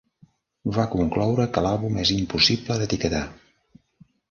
Va concloure que l'àlbum és "impossible d'etiquetar".